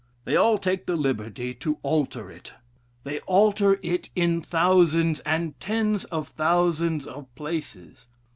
They all take the liberty to alter it. They alter it in thousands and tens of thousands of places.